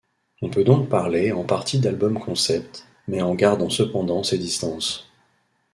On peut donc parler en partie d'album-concept, mais en gardant cependant ses distances.